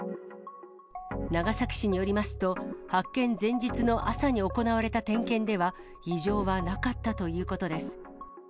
長崎市によりますと、発見前日の朝に行われた点検では、異常はなかったということです。